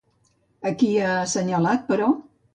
A qui ha assenyalat, però?